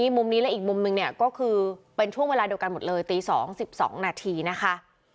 มุมนี้และอีกมุมนึงเนี่ยก็คือเป็นช่วงเวลาเดียวกันหมดเลยตี๒๑๒นาทีนะคะ